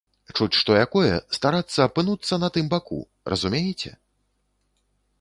Чуць што якое, старацца апынуцца на тым баку, разумееце?